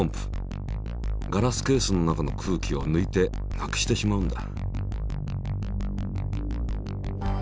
ガラスケースの中の空気をぬいて無くしてしまうんだ。